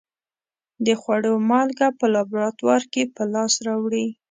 د خوړو مالګه په لابراتوار کې په لاس راوړي.